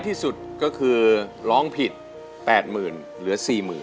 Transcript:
ตอนนี้ตัวช่วยเนี่ย